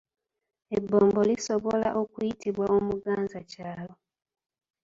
Ebbombo lisobola okuyitibwa Omuganzakyalo.